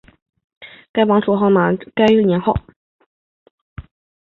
楚武穆王马殷用该年号。